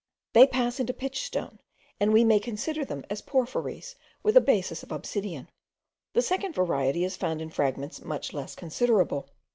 They pass into pitch stone; and we may consider them as porphyries with a basis of obsidian. The second variety is found in fragments much less considerable.